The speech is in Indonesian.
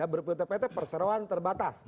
berbentuk pt perseroan terbatas